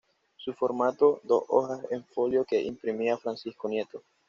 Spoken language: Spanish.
Su formato, dos hojas en folio que imprimía Francisco Nieto.